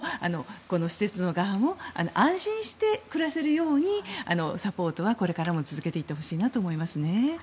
だからこそ、やはり訪問するほうも施設の側も安心して暮らせるようにサポートはこれからも続けていってほしいと思います。